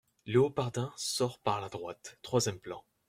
Léopardin sort par la droite, troisième plan.